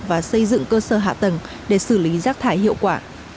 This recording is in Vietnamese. và xây dựng cơ sở hạ tầng để xử lý rác thải hiệu quả